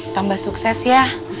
tambah sukses ya